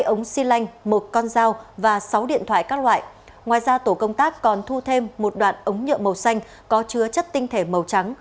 hai ống xi lanh một con dao và sáu điện thoại các loại ngoài ra tổ công tác còn thu thêm một đoạn ống nhựa màu xanh có chứa chất tinh thể màu trắng